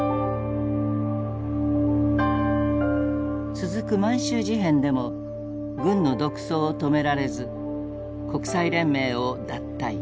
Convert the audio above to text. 続く満州事変でも軍の独走を止められず国際連盟を脱退。